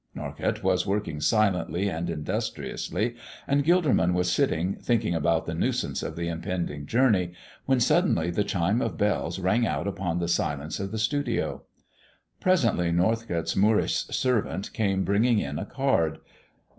Norcott was working silently and industriously and Gilderman was sitting thinking about the nuisance of the impending journey, when suddenly the chime of bells rang out upon the silence of the studio. Presently Norcott's Moorish servant came bringing in a card.